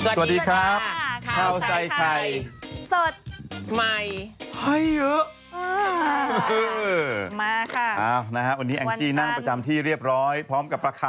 สวัสดีครับข้าวใส่ไข่สดใหม่ให้เยอะมาค่ะวันนี้แองจี้นั่งประจำที่เรียบร้อยพร้อมกับประคัม